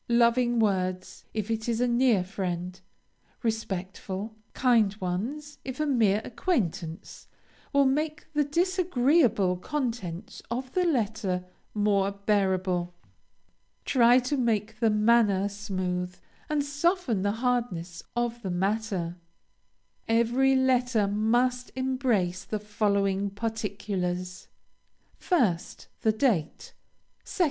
Loving words, if it is a near friend, respectful, kind ones if a mere acquaintance, will make the disagreeable contents of the letter more bearable. Try to make the manner smooth and soften the hardness of the matter. Every letter must embrace the following particulars: 1st. The date. 2d.